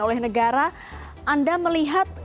oleh negara anda melihat